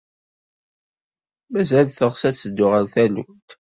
Mazal teɣs ad teddu ɣer tallunt?